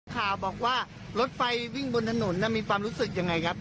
ข่าวบอกว่ารถไฟวิ่งบนถนนมีความรู้สึกยังไงครับ